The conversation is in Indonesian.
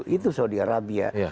itu saudi arabia